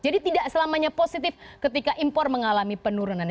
jadi tidak selamanya positif ketika impor mengalami penurunan